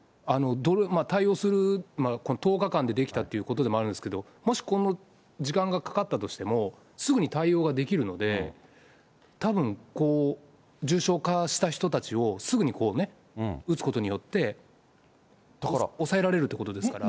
対応する、１０日間で出来たっていうことでもあるんですけれども、もし今後、時間がかかったとしても、すぐに対応ができるので、たぶん、重症化した人たちを、すぐに打つことによって、抑えられるってことですから。